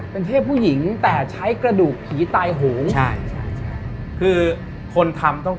เป็นเทพผู้หญิงแต่ใช้กระดูกผีตายหง